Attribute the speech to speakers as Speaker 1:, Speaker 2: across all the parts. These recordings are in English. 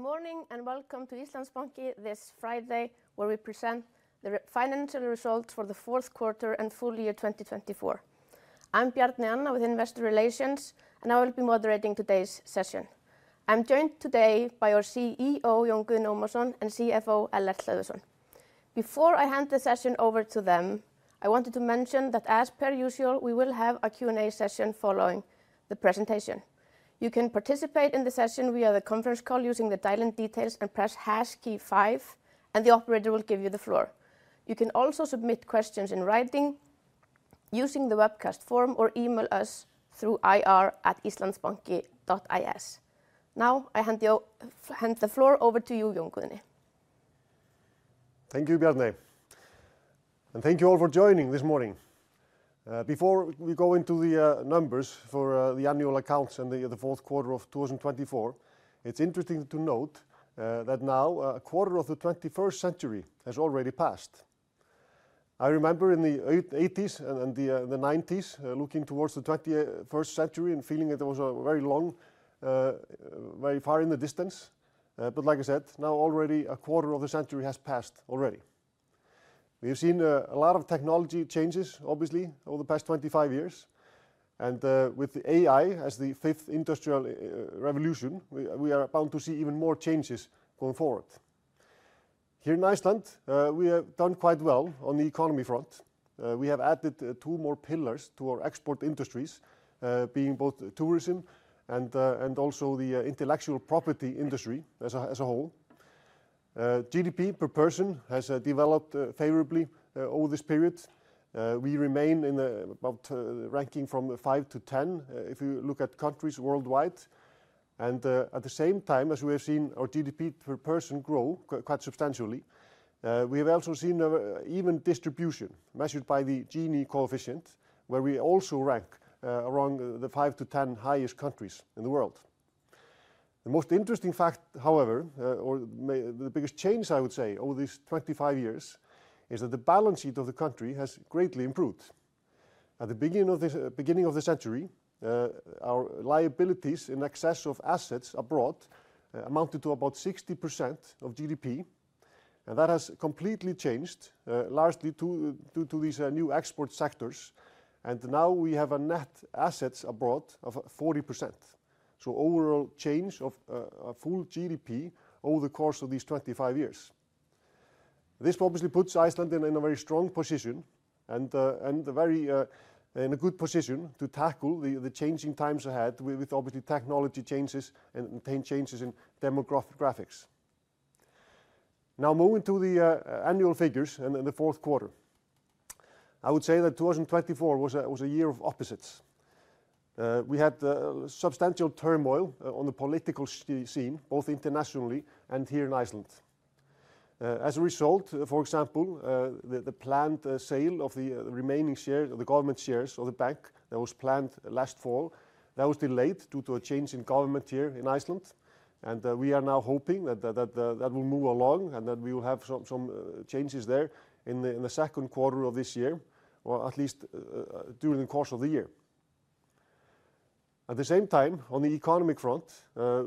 Speaker 1: Good morning and welcome to Íslandsbanki this Friday, where we present the financial results for the fourth quarter and full year 2024. I'm Bjarney Anna with Investor Relations, and I will be moderating today's session. I'm joined today by our CEO, Jón Guðni Ómarsson, and CFO, Ellert Hlöðversson. Before I hand the session over to them, I wanted to mention that, as per usual, we will have a Q&A session following the presentation. You can participate in the session via the conference call using the dial-in details and press hash key five, and the operator will give you the floor. You can also submit questions in writing using the webcast form or email us through ir@islandsbanki.is. Now I hand the floor over to you, Jón Guðni.
Speaker 2: Thank you, Bjarney. And thank you all for joining this morning. Before we go into the numbers for the annual accounts and the fourth quarter of 2024, it's interesting to note that now a quarter of the 21st century has already passed. I remember in the '80s and the '90s looking towards the 21st century and feeling that there was a very long, very far in the distance. But like I said, now already a quarter of the century has passed already. We have seen a lot of technology changes, obviously, over the past 25 years. And with AI as the fifth industrial revolution, we are bound to see even more changes going forward. Here in Iceland, we have done quite well on the economy front. We have added two more pillars to our export industries, being both tourism and also the intellectual property industry as a whole. GDP per person has developed favorably over this period. We remain in about ranking from 5 to 10 if you look at countries worldwide. At the same time as we have seen our GDP per person grow quite substantially, we have also seen even distribution measured by the Gini coefficient, where we also rank among the 5 to 10 highest countries in the world. The most interesting fact, however, or the biggest change I would say over these 25 years, is that the balance sheet of the country has greatly improved. At the beginning of the century, our liabilities in excess of assets abroad amounted to about 60% of GDP, and that has completely changed largely due to these new export sectors. Now we have a net assets abroad of 40%. Overall change of full GDP over the course of these 25 years. This obviously puts Iceland in a very strong position and in a very good position to tackle the changing times ahead with obviously technology changes and changes in demographics. Now moving to the annual figures and the fourth quarter, I would say that 2024 was a year of opposites. We had substantial turmoil on the political scene, both internationally and here in Iceland. As a result, for example, the planned sale of the remaining shares of the government shares of the bank that was planned last fall, that was delayed due to a change in government here in Iceland, and we are now hoping that that will move along and that we will have some changes there in the second quarter of this year, or at least during the course of the year. At the same time, on the economic front,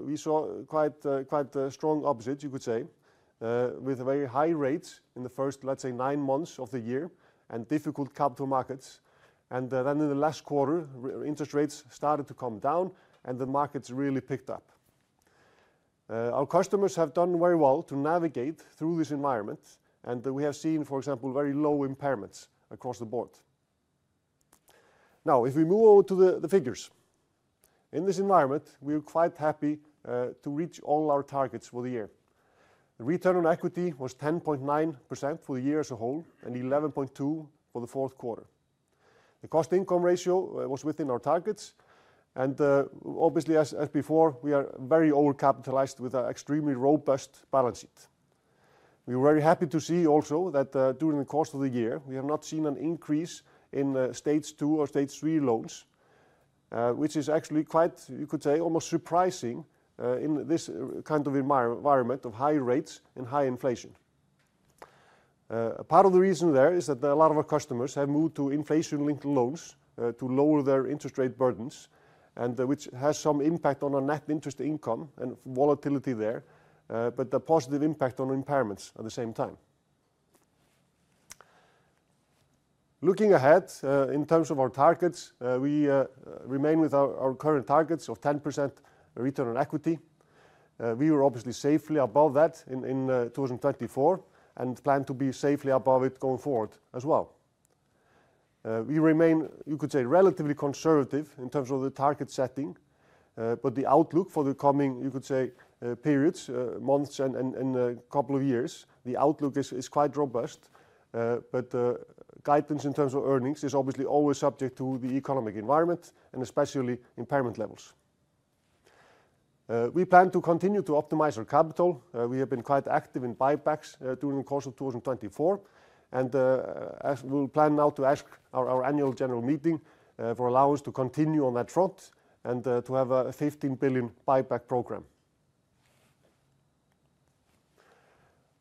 Speaker 2: we saw quite strong opposites, you could say, with very high rates in the first, let's say, nine months of the year and difficult capital markets, and then in the last quarter, interest rates started to come down and the markets really picked up. Our customers have done very well to navigate through this environment, and we have seen, for example, very low impairments across the board. Now, if we move over to the figures, in this environment, we were quite happy to reach all our targets for the year. The return on equity was 10.9% for the year as a whole and 11.2% for the fourth quarter. The cost-to-income ratio was within our targets, and obviously, as before, we are very over-capitalized with an extremely robust balance sheet. We were very happy to see also that during the course of the year, we have not seen an increase in Stage 2 or Stage 3 loans, which is actually quite, you could say, almost surprising in this kind of environment of high rates and high inflation. Part of the reason there is that a lot of our customers have moved to inflation-linked loans to lower their interest rate burdens, which has some impact on our net interest income and volatility there, but a positive impact on impairments at the same time. Looking ahead in terms of our targets, we remain with our current targets of 10% return on equity. We were obviously safely above that in 2024 and plan to be safely above it going forward as well. We remain, you could say, relatively conservative in terms of the target setting, but the outlook for the coming, you could say, periods, months, and a couple of years, the outlook is quite robust. But guidance in terms of earnings is obviously always subject to the economic environment and especially impairment levels. We plan to continue to optimize our capital. We have been quite active in buybacks during the course of 2024, and we'll plan now to ask our annual general meeting for allowance to continue on that front and to have a 15 billion buyback program.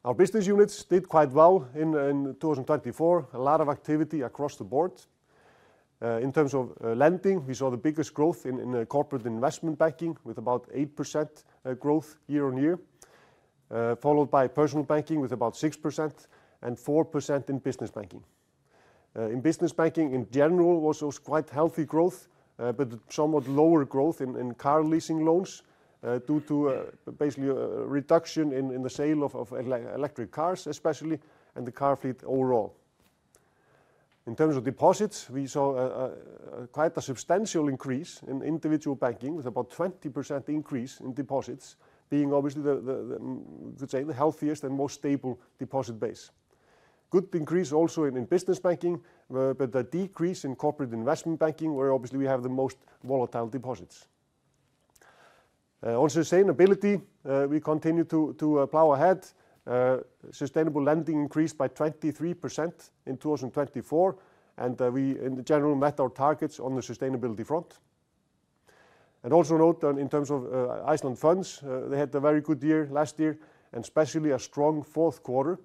Speaker 2: Our business units did quite well in 2024, a lot of activity across the board. In terms of lending, we saw the biggest growth in corporate investment banking with about 8% growth year on year, followed by personal banking with about 6% and 4% in business banking. In business banking in general, it was quite healthy growth, but somewhat lower growth in car leasing loans due to basically a reduction in the sale of electric cars especially and the car fleet overall. In terms of deposits, we saw quite a substantial increase in individual banking with about 20% increase in deposits, being obviously the healthiest and most stable deposit base. Good increase also in business banking, but a decrease in corporate investment banking where obviously we have the most volatile deposits. On sustainability, we continue to plow ahead. Sustainable lending increased by 23% in 2024, and we in general met our targets on the sustainability front. And also note that in terms of Iceland Funds, they had a very good year last year and especially a strong fourth quarter.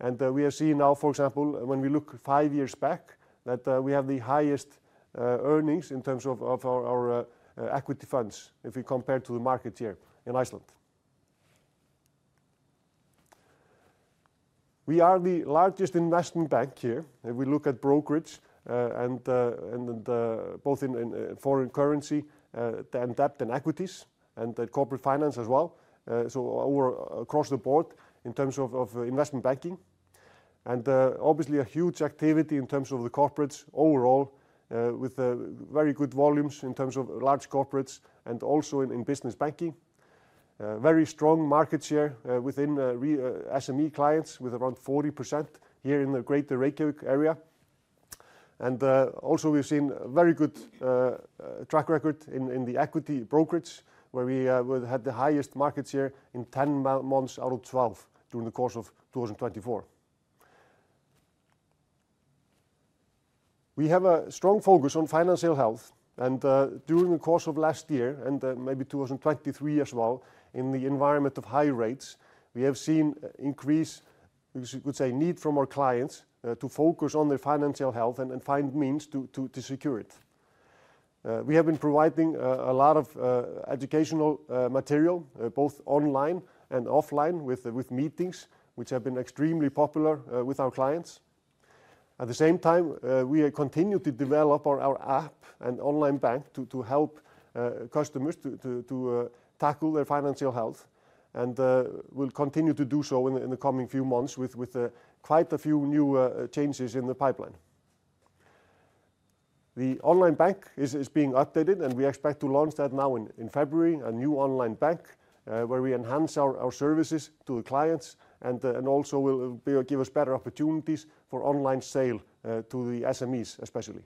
Speaker 2: And we have seen now, for example, when we look five years back, that we have the highest earnings in terms of our equity funds if we compare to the market here in Iceland. We are the largest investment bank here if we look at brokerage and both in foreign currency and debt and equities and corporate finance as well. So across the board in terms of investment banking. And obviously a huge activity in terms of the corporates overall with very good volumes in terms of large corporates and also in business banking. Very strong market share within SME clients with around 40% here in the greater Reykjavík area. And also we've seen a very good track record in the equity brokerage where we had the highest market share in 10 months out of 12 during the course of 2024. We have a strong focus on financial health, and during the course of last year and maybe 2023 as well, in the environment of high rates, we have seen increase, you could say, need from our clients to focus on their financial health and find means to secure it. We have been providing a lot of educational material both online and offline with meetings, which have been extremely popular with our clients. At the same time, we continue to develop our app and online bank to help customers to tackle their financial health and will continue to do so in the coming few months with quite a few new changes in the pipeline. The online bank is being updated, and we expect to launch that now in February, a new online bank where we enhance our services to the clients and also will give us better opportunities for online sale to the SMEs especially.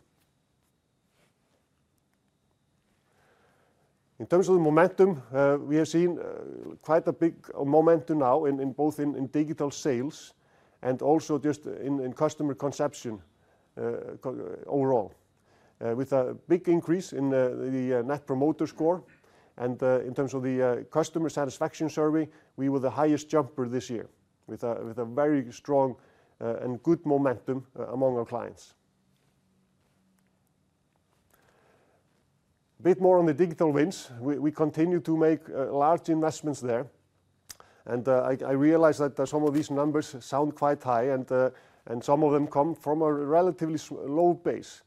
Speaker 2: In terms of the momentum, we have seen quite a big momentum now in both in digital sales and also just in customer perception overall, with a big increase in the Net Promoter Score, and in terms of the customer satisfaction survey, we were the highest jumper this year with a very strong and good momentum among our clients. A bit more on the digital wins, we continue to make large investments there, and I realize that some of these numbers sound quite high, and some of them come from a relatively low base.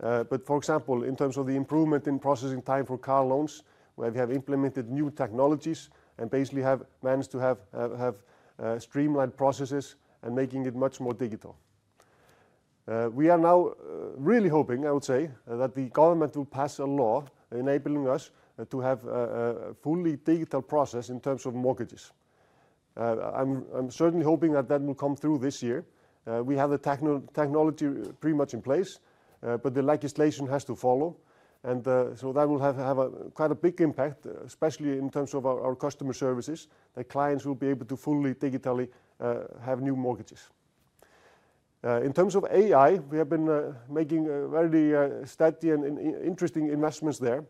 Speaker 2: But for example, in terms of the improvement in processing time for car loans, where we have implemented new technologies and basically have managed to have streamlined processes and making it much more digital. We are now really hoping, I would say, that the government will pass a law enabling us to have a fully digital process in terms of mortgages. I'm certainly hoping that that will come through this year. We have the technology pretty much in place, but the legislation has to follow. And so that will have quite a big impact, especially in terms of our customer services, that clients will be able to fully digitally have new mortgages. In terms of AI, we have been making very steady and interesting investments there.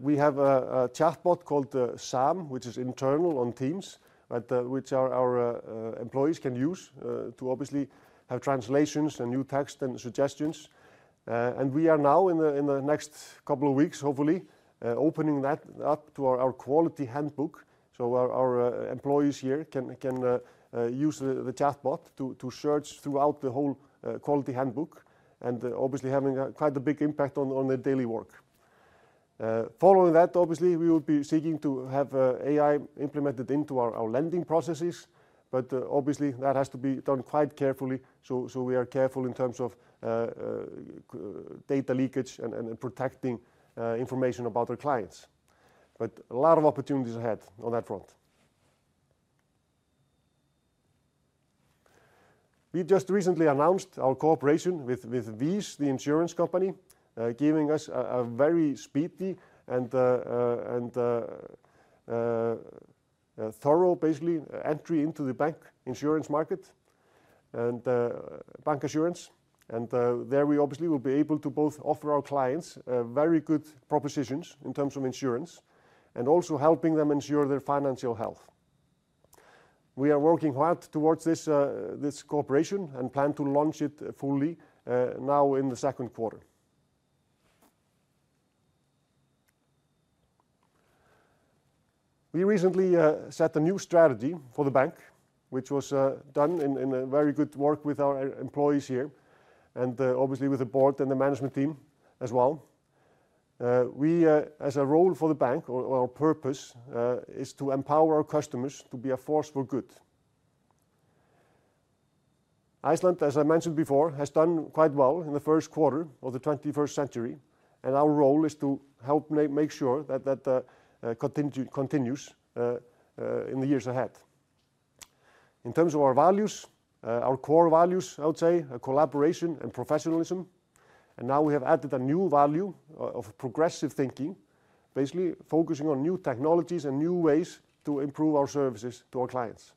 Speaker 2: We have a chatbot called SAM, which is internal on Teams, which our employees can use to obviously have translations and new text and suggestions, and we are now in the next couple of weeks, hopefully, opening that up to our quality handbook so our employees here can use the chatbot to search throughout the whole quality handbook and obviously having quite a big impact on their daily work. Following that, obviously, we will be seeking to have AI implemented into our lending processes, but obviously that has to be done quite carefully, so we are careful in terms of data leakage and protecting information about our clients, but a lot of opportunities ahead on that front. We just recently announced our cooperation with VÍS, the insurance company, giving us a very speedy and thorough, basically, entry into the bank insurance market and bancassurance. There we obviously will be able to both offer our clients very good propositions in terms of insurance and also helping them ensure their financial health. We are working hard towards this cooperation and plan to launch it fully now in the second quarter. We recently set a new strategy for the bank, which was done in a very good work with our employees here and obviously with the board and the management team as well. We, as a role for the bank, or our purpose, is to empower our customers to be a force for good. Iceland, as I mentioned before, has done quite well in the first quarter of the 21st century, and our role is to help make sure that that continues in the years ahead. In terms of our values, our core values, I would say, are collaboration and professionalism. Now we have added a new value of progressive thinking, basically focusing on new technologies and new ways to improve our services to our clients.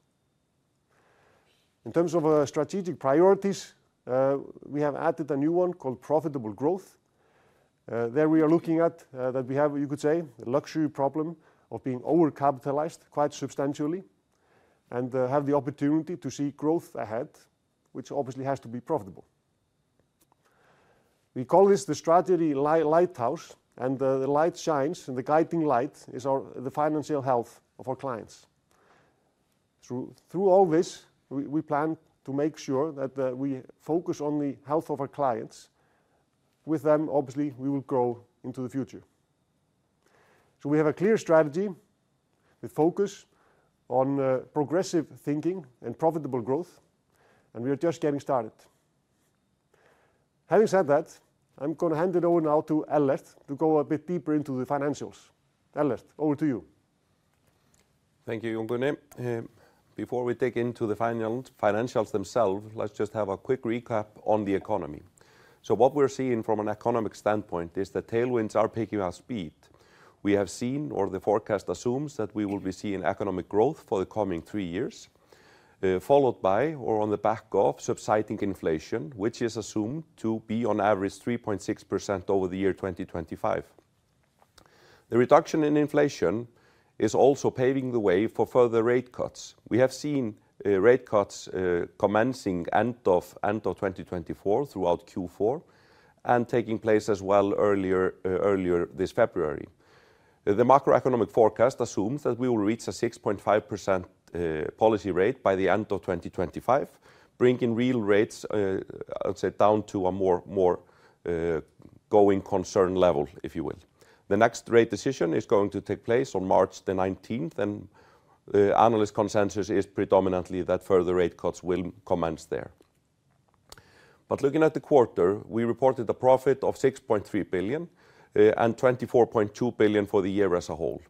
Speaker 2: In terms of our strategic priorities, we have added a new one called profitable growth. There we are looking at that we have, you could say, the luxury problem of being over-capitalized quite substantially and have the opportunity to see growth ahead, which obviously has to be profitable. We call this the strategy lighthouse, and the light shines, and the guiding light is the financial health of our clients. Through all this, we plan to make sure that we focus on the health of our clients. With them, obviously, we will grow into the future. We have a clear strategy with focus on progressive thinking and profitable growth, and we are just getting started. Having said that, I'm going to hand it over now to Ellert to go a bit deeper into the financials. Ellert, over to you. Thank you, Jón Guðni. Before we dig into the financials themselves, let's just have a quick recap on the economy. So what we're seeing from an economic standpoint is that tailwinds are picking up speed. We have seen, or the forecast assumes, that we will be seeing economic growth for the coming three years, followed by, or on the back of, subsiding inflation, which is assumed to be on average 3.6% over the year 2025. The reduction in inflation is also paving the way for further rate cuts. We have seen rate cuts commencing end of 2024 throughout Q4 and taking place as well earlier this February. The macroeconomic forecast assumes that we will reach a 6.5% policy rate by the end of 2025, bringing real rates, I would say, down to a more going concern level, if you will. The next rate decision is going to take place on March the 19th, and analyst consensus is predominantly that further rate cuts will commence there. But looking at the quarter, we reported a profit of 6.3 billion and 24.2 billion for the year as a whole.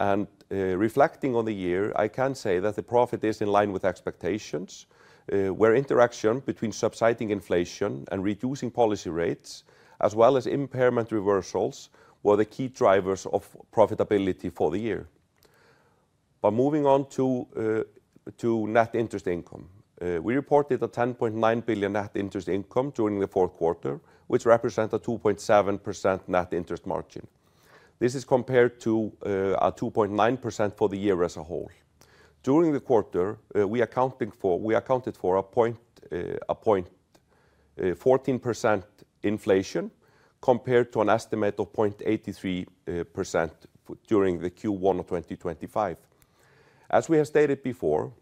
Speaker 2: And reflecting on the year, I can say that the profit is in line with expectations, where interaction between subsiding inflation and reducing policy rates, as well as impairment reversals, were the key drivers of profitability for the year. But moving on to net interest income, we reported a 10.9 billion net interest income during the fourth quarter, which represents a 2.7% net interest margin. This is compared to a 2.9% for the year as a whole. During the quarter, we accounted for a 0.14% inflation compared to an estimate of 0.83% during the Q1 of 2025. As we have stated before,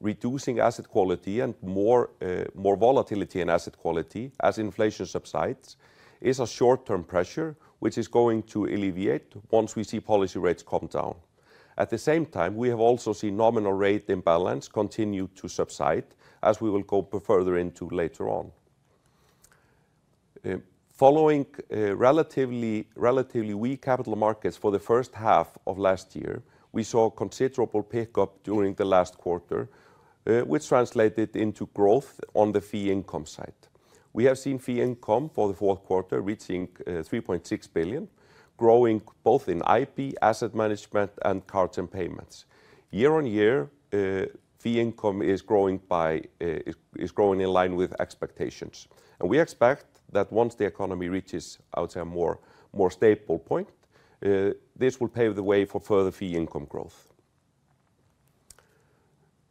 Speaker 2: reducing asset quality and more volatility in asset quality as inflation subsides is a short-term pressure which is going to alleviate once we see policy rates come down. At the same time, we have also seen nominal rate imbalance continue to subside as we will go further into later on. Following relatively weak capital markets for the first half of last year, we saw a considerable pickup during the last quarter, which translated into growth on the fee income side. We have seen fee income for the fourth quarter reaching 3.6 billion ISK, growing both in IB, asset management, and cards and payments. Year on year, fee income is growing in line with expectations. We expect that once the economy reaches, I would say, a more stable point, this will pave the way for further fee income growth.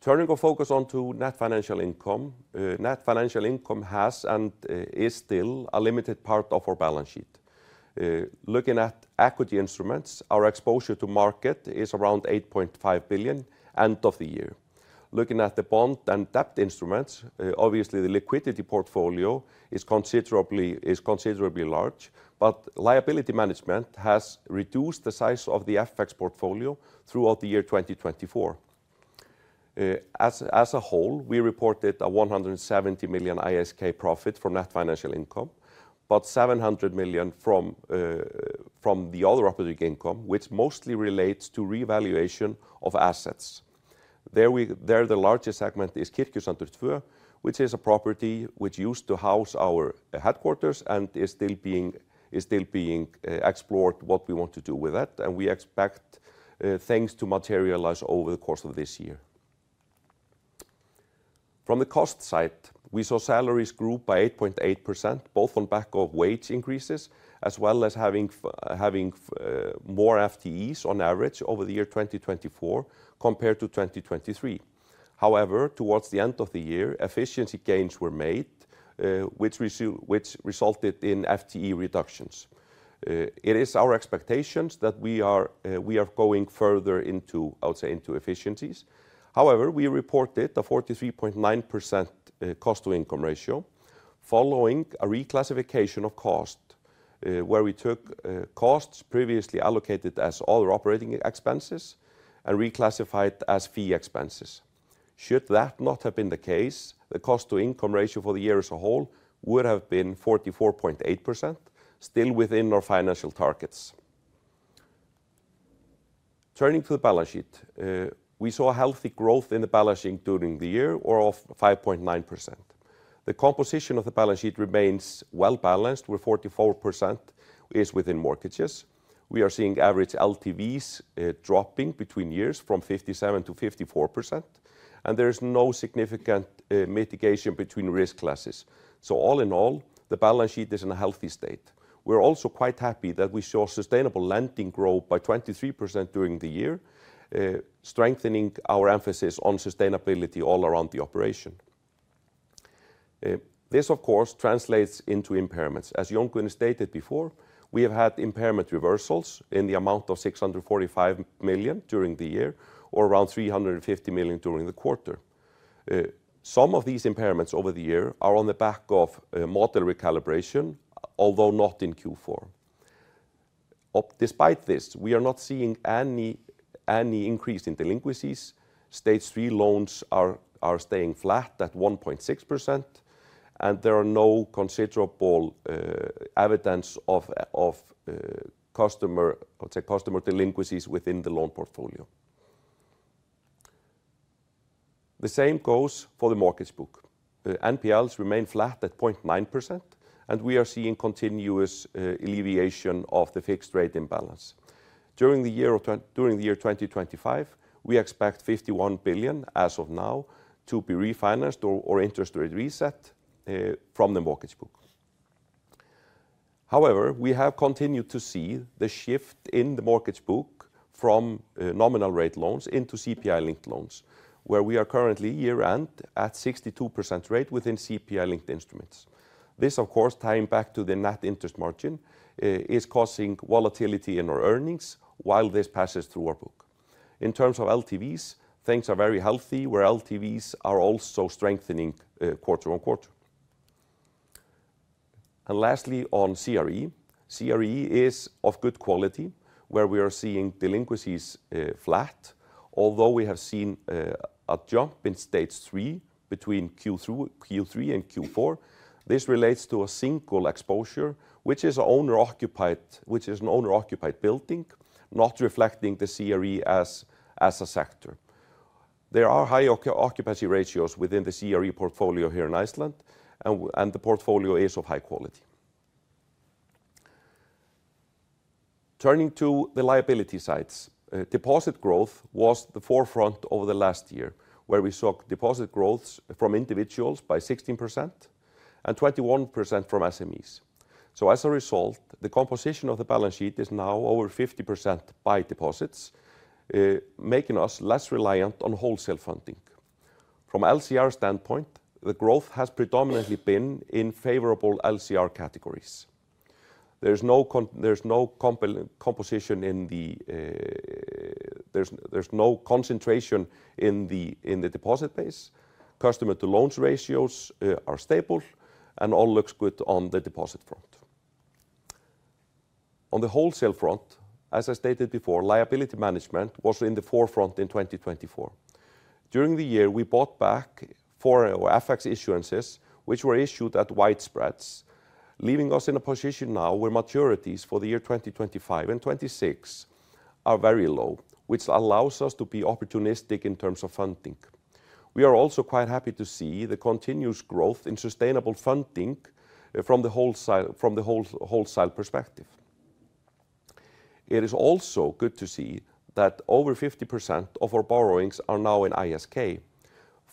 Speaker 2: Turning our focus onto net financial income, net financial income has and is still a limited part of our balance sheet. Looking at equity instruments, our exposure to market is around 8.5 billion end of the year. Looking at the bond and debt instruments, obviously the liquidity portfolio is considerably large, but liability management has reduced the size of the FX portfolio throughout the year 2024. As a whole, we reported an 170 million ISK profit from net financial income, but 700 million from the other operating income, which mostly relates to revaluation of assets. There the largest segment is Kirkjusandur 2, which is a property which used to house our headquarters and is still being explored what we want to do with that. We expect things to materialize over the course of this year. From the cost side, we saw salaries grew by 8.8%, both on the back of wage increases, as well as having more FTEs on average over the year 2024 compared to 2023. However, towards the end of the year, efficiency gains were made, which resulted in FTE reductions. It is our expectations that we are going further into, I would say, into efficiencies. However, we reported a 43.9% cost-to-income ratio following a reclassification of cost, where we took costs previously allocated as other operating expenses and reclassified as fee expenses. Should that not have been the case, the cost-to-income ratio for the year as a whole would have been 44.8%, still within our financial targets. Turning to the balance sheet, we saw healthy growth in the balance sheet during the year, of 5.9%. The composition of the balance sheet remains well balanced, where 44% is within mortgages. We are seeing average LTVs dropping between years from 57% to 54%, and there is no significant mitigation between risk classes. So all in all, the balance sheet is in a healthy state. We're also quite happy that we saw sustainable lending grow by 23% during the year, strengthening our emphasis on sustainability all around the operation. This, of course, translates into impairments. As Jón Guðni stated before, we have had impairment reversals in the amount of 645 million during the year, or around 350 million during the quarter. Some of these impairments over the year are on the back of model recalibration, although not in Q4. Despite this, we are not seeing any increase in delinquencies. Stage 3 loans are staying flat at 1.6%, and there are no considerable evidence of customer delinquencies within the loan portfolio. The same goes for the mortgage book. NPLs remain flat at 0.9%, and we are seeing continuous alleviation of the fixed rate imbalance. During the year 2025, we expect 51 billion as of now to be refinanced or interest rate reset from the mortgage book. However, we have continued to see the shift in the mortgage book from nominal rate loans into CPI-linked loans, where we are currently year-end at 62% rate within CPI-linked instruments. This, of course, tying back to the net interest margin, is causing volatility in our earnings while this passes through our book. In terms of LTVs, things are very healthy, where LTVs are also strengthening quarter on quarter. Lastly, on CRE, CRE is of good quality, where we are seeing delinquencies flat, although we have seen a jump in stage 3 between Q3 and Q4. This relates to a single exposure, which is an owner-occupied building, not reflecting the CRE as a sector. There are high occupancy ratios within the CRE portfolio here in Iceland, and the portfolio is of high quality. Turning to the liability sides, deposit growth was the forefront over the last year, where we saw deposit growth from individuals by 16% and 21% from SMEs. So as a result, the composition of the balance sheet is now over 50% by deposits, making us less reliant on wholesale funding. From LCR standpoint, the growth has predominantly been in favorable LCR categories. There's no concentration in the deposit base. Customer-to-loans ratios are stable, and all looks good on the deposit front. On the wholesale front, as I stated before, liability management was in the forefront in 2024. During the year, we bought back four FX issuances, which were issued at wide spreads, leaving us in a position now where maturities for the year 2025 and 2026 are very low, which allows us to be opportunistic in terms of funding. We are also quite happy to see the continuous growth in sustainable funding from the wholesale perspective. It is also good to see that over 50% of our borrowings are now in ISK,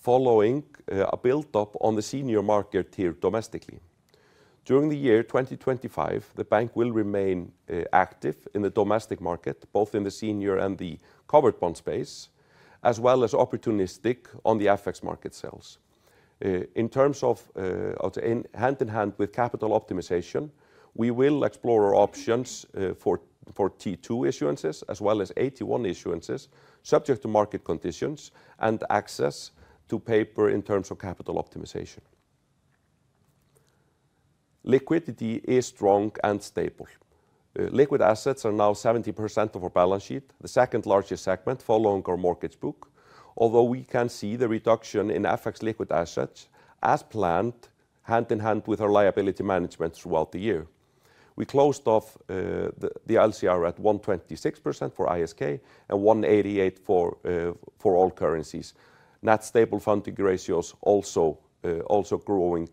Speaker 2: following a build-up on the senior market here domestically. During the year 2025, the bank will remain active in the domestic market, both in the senior and the covered bond space, as well as opportunistic on the FX market sales. In terms of hand-in-hand with capital optimization, we will explore our options for T2 issuances, as well as AT1 issuances, subject to market conditions and access to paper in terms of capital optimization. Liquidity is strong and stable. Liquid assets are now 70% of our balance sheet, the second largest segment following our mortgage book, although we can see the reduction in FX liquid assets as planned, hand-in-hand with our liability management throughout the year. We closed off the LCR at 126% for ISK and 188% for all currencies. Net stable funding ratios also growing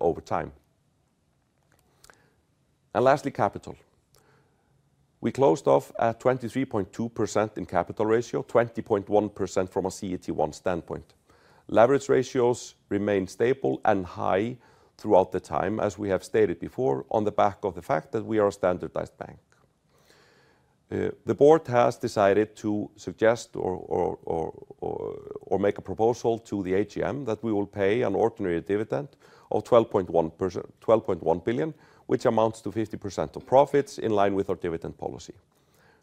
Speaker 2: over time. And lastly, capital. We closed off at 23.2% in capital ratio, 20.1% from a CET1 standpoint. Leverage ratios remain stable and high throughout the time, as we have stated before, on the back of the fact that we are a standardized bank. The board has decided to suggest or make a proposal to the AGM that we will pay an ordinary dividend of 12.1 billion, which amounts to 50% of profits in line with our dividend policy.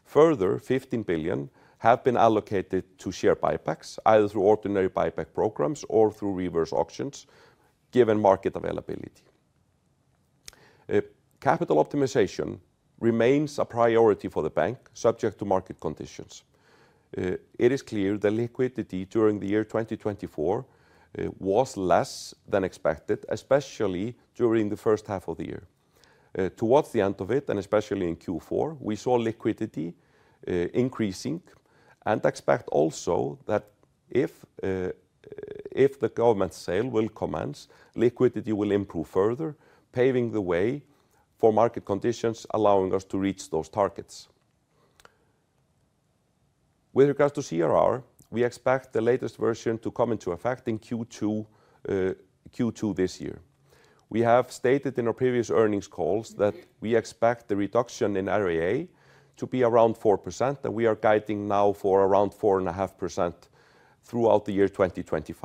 Speaker 2: Further, 15 billion have been allocated to share buybacks, either through ordinary buyback programs or through reverse auctions, given market availability. Capital optimization remains a priority for the bank, subject to market conditions. It is clear that liquidity during the year 2024 was less than expected, especially during the first half of the year. Towards the end of it, and especially in Q4, we saw liquidity increasing, and expect also that if the government sale will commence, liquidity will improve further, paving the way for market conditions allowing us to reach those targets. With regards to CRR, we expect the latest version to come into effect in Q2 this year. We have stated in our previous earnings calls that we expect the reduction in RWA to be around 4%, and we are guiding now for around 4.5% throughout the year 2025,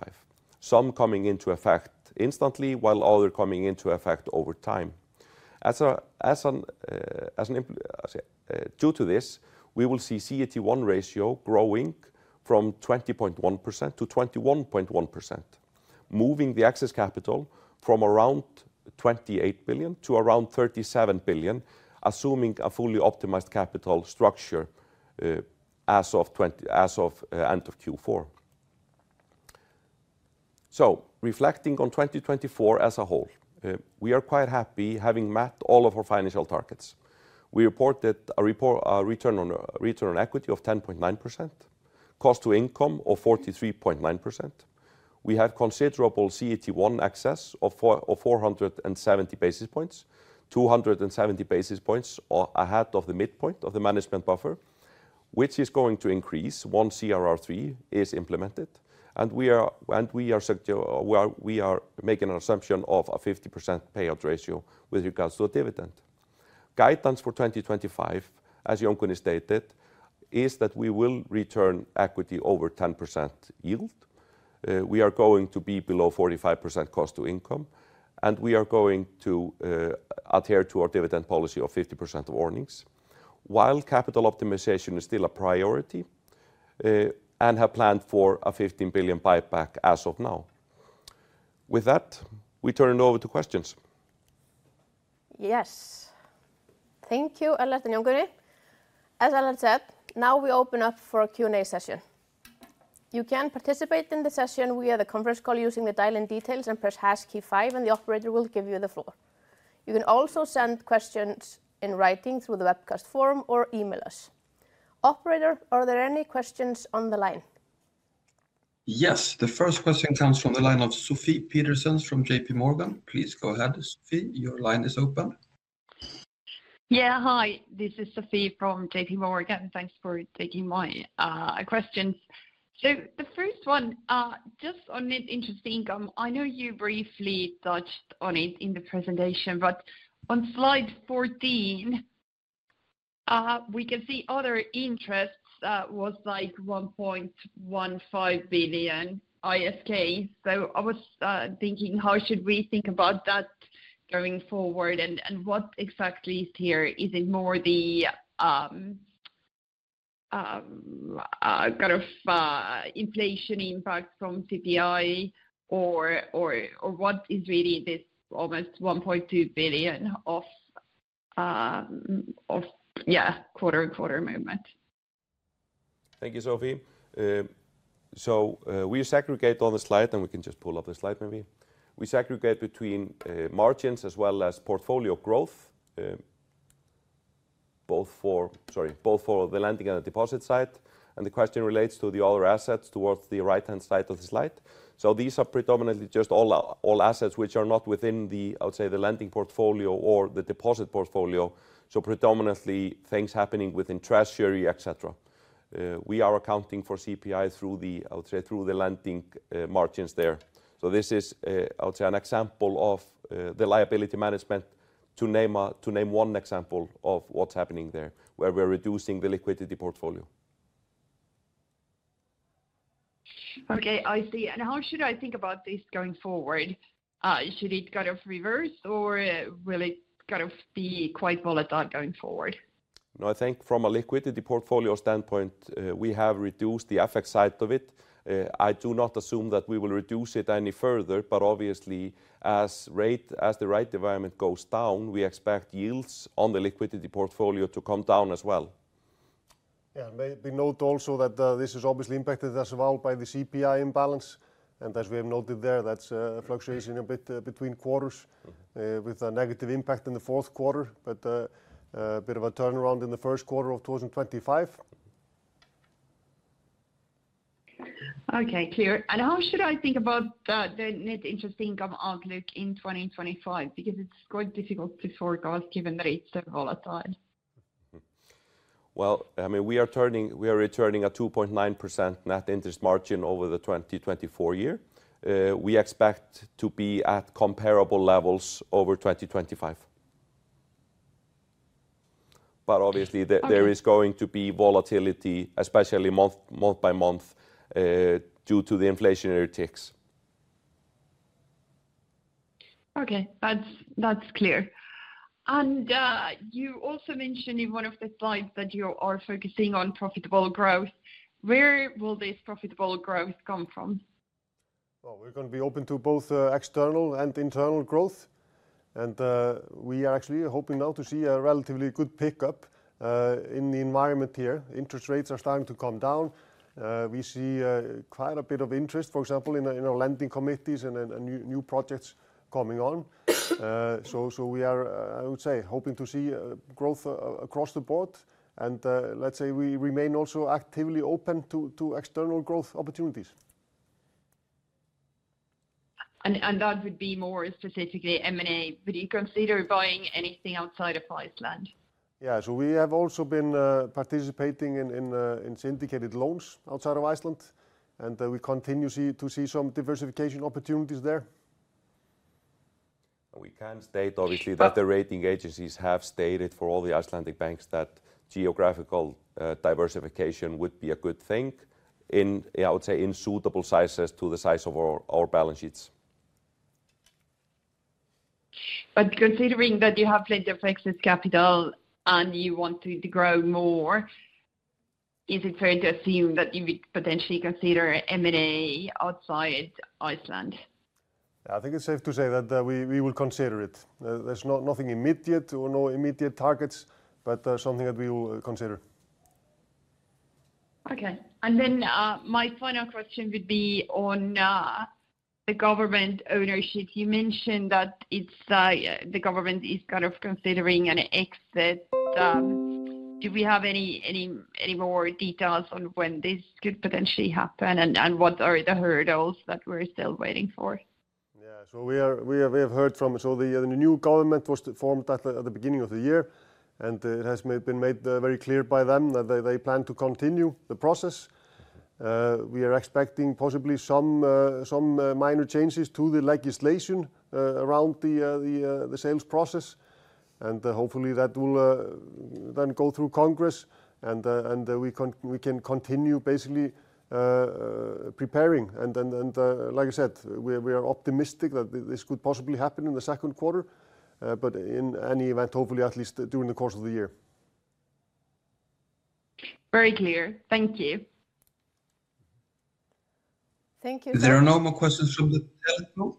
Speaker 2: some coming into effect instantly, while other coming into effect over time. Due to this, we will see CET1 ratio growing from 20.1% to 21.1%, moving the excess capital from around 28 billion to around 37 billion, assuming a fully optimized capital structure as of end of Q4. So reflecting on 2024 as a whole, we are quite happy having met all of our financial targets. We reported a return on equity of 10.9%, cost to income of 43.9%. We have considerable CET1 excess of 470 basis points, 270 basis points ahead of the midpoint of the management buffer, which is going to increase once CRR 3 is implemented. And we are making an assumption of a 50% payout ratio with regards to a dividend. Guidance for 2025, as Jón Guðni stated, is that we will return equity over 10% yield. We are going to be below 45% cost to income, and we are going to adhere to our dividend policy of 50% of earnings, while capital optimization is still a priority and have planned for a 15 billion buyback as of now. With that, we turn it over to questions.
Speaker 1: Yes. Thank you, Ellert and Jón Guðni. As Ellert said, now we open up for a Q&A session. You can participate in the session via the conference call using the dial-in details and press #Q5, and the operator will give you the floor. You can also send questions in writing through the webcast form or email us. Operator, are there any questions on the line?
Speaker 3: Yes, the first question comes from the line of Sofie Peterzens from J.P. Morgan. Please go ahead, Sofie, your line is open. Yeah, hi, this is Sofie from J.P. Morgan. Thanks for taking my questions. So the first one, just on net interest income, I know you briefly touched on it in the presentation, but on slide 14, we can see other interests was like 1.15 billion ISK. So I was thinking, how should we think about that going forward, and what exactly is here? Is it more the kind of inflation impact from CPI, or what is really this almost 1.2 billion of, yeah, quarter-on-quarter movement?
Speaker 2: Thank you, Sofie. So we segregate on the slide, and we can just pull up the slide maybe. We segregate between margins as well as portfolio growth, both for, sorry, both for the lending and the deposit side. The question relates to the other assets towards the right-hand side of the slide. These are predominantly just all assets which are not within the, I would say, the lending portfolio or the deposit portfolio. Predominantly things happening within treasury, etc. We are accounting for CPI through the, I would say, through the lending margins there. This is, I would say, an example of the liability management, to name one example of what's happening there, where we're reducing the liquidity portfolio. Okay, I see. How should I think about this going forward? Should it kind of reverse, or will it kind of be quite volatile going forward? No, I think from a liquidity portfolio standpoint, we have reduced the FX side of it. I do not assume that we will reduce it any further, but obviously, as the right environment goes down, we expect yields on the liquidity portfolio to come down as well. Yeah, and we note also that this is obviously impacted as well by the CPI imbalance, and as we have noted there, that's fluctuating a bit between quarters, with a negative impact in the fourth quarter, but a bit of a turnaround in the first quarter of 2025. Okay, clear, and how should I think about the net interest income outlook in 2025? Because it's quite difficult to forecast given that it's so volatile, Well, I mean, we are returning a 2.9% net interest margin over the 2024 year. We expect to be at comparable levels over 2025. But obviously, there is going to be volatility, especially month by month, due to the inflationary ticks. Okay, that's clear. You also mentioned in one of the slides that you are focusing on profitable growth. Where will this profitable growth come from? We're going to be open to both external and internal growth. We are actually hoping now to see a relatively good pickup in the environment here. Interest rates are starting to come down. We see quite a bit of interest, for example, in our lending committees and new projects coming on. We are, I would say, hoping to see growth across the board. Let's say we remain also actively open to external growth opportunities. That would be more specifically M&A. Would you consider buying anything outside of Iceland? Yeah, so we have also been participating in syndicated loans outside of Iceland. We continue to see some diversification opportunities there. We can state, obviously, that the rating agencies have stated for all the Icelandic banks that geographical diversification would be a good thing, I would say, in suitable sizes to the size of our balance sheets. But considering that you have plenty of excess capital and you want to grow more, is it fair to assume that you would potentially consider M&A outside Iceland? I think it's safe to say that we will consider it. There's nothing immediate or no immediate targets, but something that we will consider. Okay. And then my final question would be on the government ownership. You mentioned that the government is kind of considering an exit. Do we have any more details on when this could potentially happen and what are the hurdles that we're still waiting for? Yeah, so we have heard from the new government was formed at the beginning of the year, and it has been made very clear by them that they plan to continue the process. We are expecting possibly some minor changes to the legislation around the sales process. And hopefully, that will then go through Congress, and we can continue basically preparing. And like I said, we are optimistic that this could possibly happen in the second quarter, but in any event, hopefully, at least during the course of the year. Very clear. Thank you.
Speaker 1: Thank you.
Speaker 2: There are no more questions from the panel.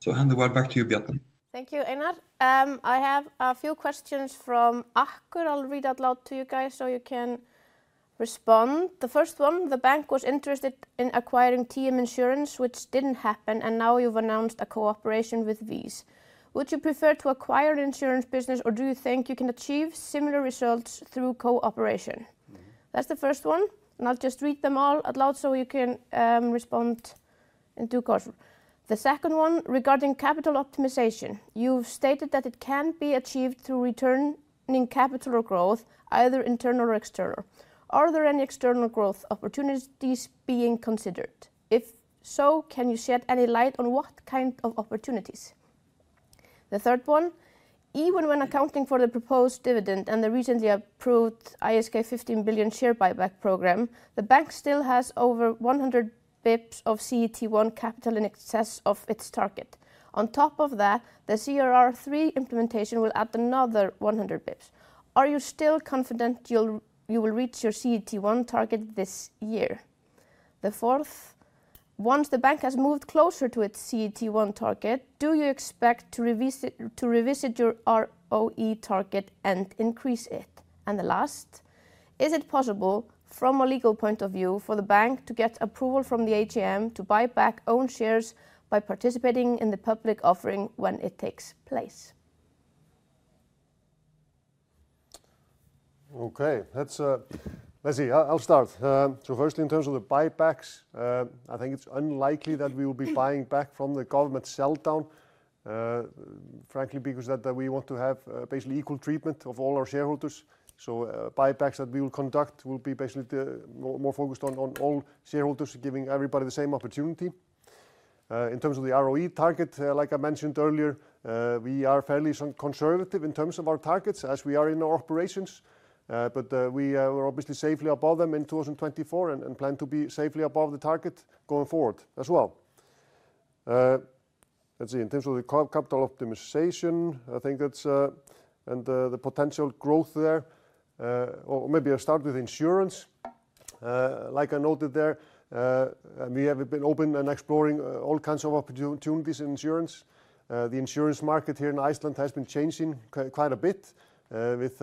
Speaker 2: So hand the word back to you, Bjarney.
Speaker 1: Thank you, Einar. I have a few questions from the audience at large to you guys so you can respond. The first one, the bank was interested in acquiring TM Insurance, which didn't happen, and now you've announced a cooperation with VÍS. Would you prefer to acquire an insurance business, or do you think you can achieve similar results through cooperation? That's the first one, and I'll just read them all at large so you can respond in due course. The second one, regarding capital optimization. You've stated that it can be achieved through returning capital or growth, either internal or external. Are there any external growth opportunities being considered? If so, can you shed any light on what kind of opportunities? The third one, even when accounting for the proposed dividend and the recently approved ISK 15 billion share buyback program, the bank still has over 100 basis points of CET1 capital in excess of its target. On top of that, the CRR 3 implementation will add another 100 basis points. Are you still confident you will reach your CET1 target this year? The fourth, once the bank has moved closer to its CET1 target, do you expect to revisit your ROE target and increase it? And the last, is it possible from a legal point of view for the bank to get approval from the AGM to buy back own shares by participating in the public offering when it takes place? Okay, let's see. I'll start. So first, in terms of the buybacks, I think it's unlikely that we will be buying back from the government sell down, frankly, because we want to have basically equal treatment of all our shareholders. So buybacks that we will conduct will be basically more focused on all shareholders, giving everybody the same opportunity. In terms of the ROE target, like I mentioned earlier, we are fairly conservative in terms of our targets as we are in our operations, but we are obviously safely above them in 2024 and plan to be safely above the target going forward as well. Let's see, in terms of the capital optimization, I think that's and the potential growth there, or maybe I'll start with insurance. Like I noted there, we have been open and exploring all kinds of opportunities in insurance. The insurance market here in Iceland has been changing quite a bit, with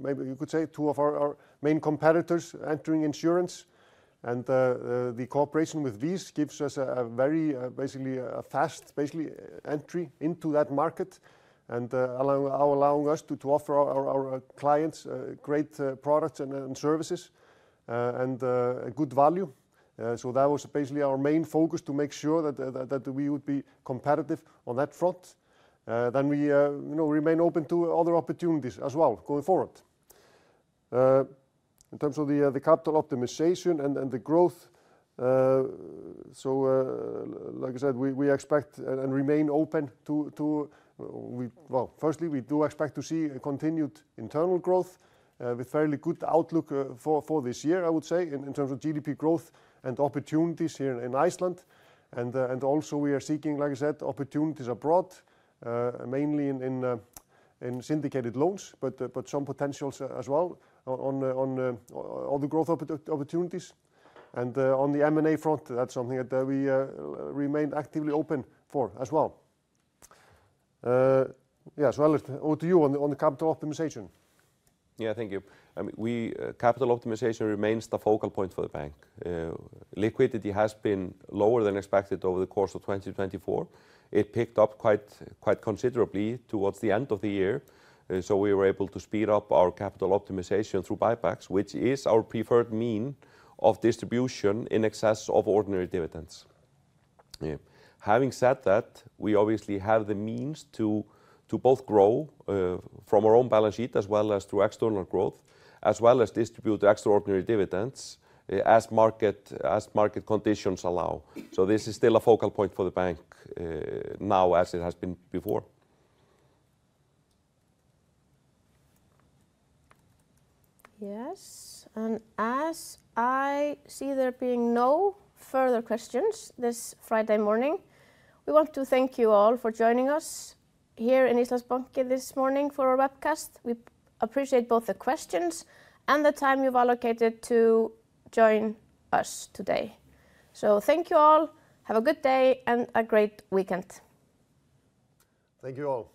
Speaker 1: maybe you could say two of our main competitors entering insurance, and the cooperation with VÍS gives us a very, basically a fast, basically entry into that market and allowing us to offer our clients great products and services and good value. That was basically our main focus to make sure that we would be competitive on that front. Then we remain open to other opportunities as well going forward. In terms of the capital optimization and the growth, so like I said, we expect and remain open to, well, firstly, we do expect to see continued internal growth with fairly good outlook for this year, I would say, in terms of GDP growth and opportunities here in Iceland. And also we are seeking, like I said, opportunities abroad, mainly in syndicated loans, but some potentials as well on other growth opportunities. And on the M&A front, that's something that we remain actively open for as well. Yeah, so Ellert, over to you on the capital optimization.
Speaker 2: Yeah, thank you. Capital optimization remains the focal point for the bank. Liquidity has been lower than expected over the course of 2024. It picked up quite considerably towards the end of the year. So we were able to speed up our capital optimization through buybacks, which is our preferred means of distribution in excess of ordinary dividends. Having said that, we obviously have the means to both grow from our own balance sheet as well as through external growth, as well as distribute extraordinary dividends as market conditions allow, so this is still a focal point for the bank now as it has been before.
Speaker 1: Yes, and as I see there being no further questions this Friday morning, we want to thank you all for joining us here in Íslandsbanki this morning for our webcast. We appreciate both the questions and the time you've allocated to join us today, so thank you all. Have a good day and a great weekend. Thank you all.